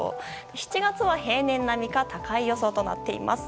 ７月は平年並みか高い予想となっています。